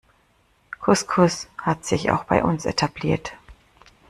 Couscous hat sich auch bei uns etabliert.